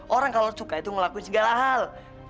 orang kalau suka itu ngelakuin segala hal